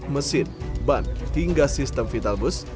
mesin ban hingga sistem vital bus